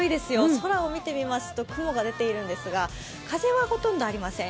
空を見てみますと、雲が出ているんですが、風はほとんどありません。